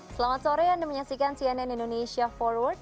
selamat sore anda menyaksikan cnn indonesia forward